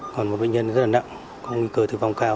còn một bệnh nhân rất là nặng có nguy cơ tử vong cao